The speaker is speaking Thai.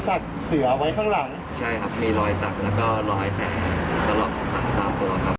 ใช่ครับมีรอยสักและรอยแผงตลอดต่างต่อตัวครับ